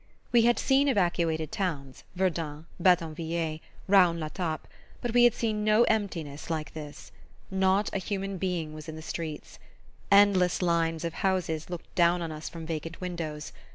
We had seen evacuated towns Verdun, Badonviller, Raon l'Etape but we had seen no emptiness like this. Not a human being was in the streets. Endless lines of houses looked down on us from vacant windows.